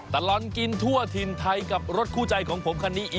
ตลอดกินทั่วถิ่นไทยกับรถคู่ใจของผมคันนี้